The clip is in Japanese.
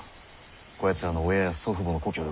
こやつらの親や祖父母の故郷でござる。